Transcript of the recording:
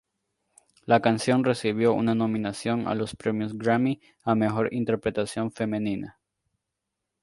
La canción recibió una nominación a los Premios Grammy a Mejor Interpretación Femenina